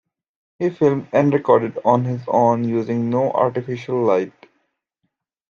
He filmed and recorded on his own, using no artificial light.